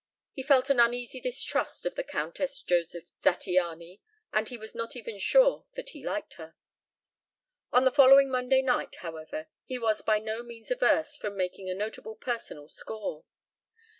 He felt an uneasy distrust of the Countess Josef Zattiany, and he was not even sure that he liked her. On the following Monday night, however, he was by no means averse from making a notable personal score.